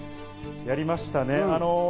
やりましたね。